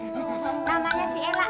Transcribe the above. namanya si ella